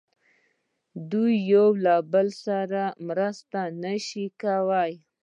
دوی یو له بل سره مرسته نه شوه کولای.